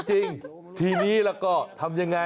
จริงทีนี้แล้วก็ทำยังไง